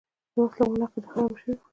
د وسله والو عقیده خرابه شوې وه.